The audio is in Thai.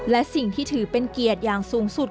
และสิ่งที่ถือเป็นเกียรติอย่างสูงสุด